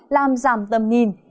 làm giảm tâm nhìn